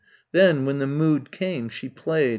Then when the mood came, she played